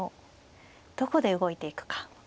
どこで動いていくか。